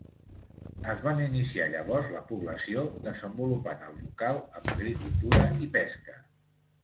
Es van iniciar llavors la població, desenvolupant el local amb agricultura i pesca.